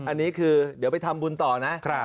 อันนี้คือเดี๋ยวไปทำบุญต่อนะ